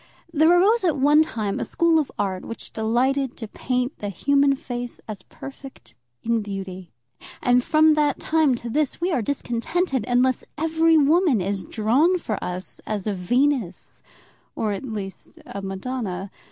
There arose at one time a school of art, which delighted to paint the human face as perfect in beauty; and from that time to this we are discontented unless every woman is drawn for us as a Venus, or, at least, a Madonna.